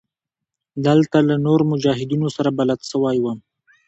دلته له نورو مجاهدينو سره بلد سوى وم.